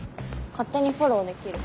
勝手にフォローできる。